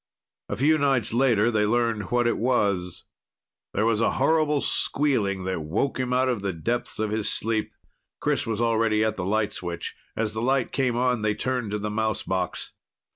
A few nights later they learned what it was. There was a horrible squealing that woke him out of the depths of his sleep. Chris was already at the light switch. As light came on, they turned to the mouse box.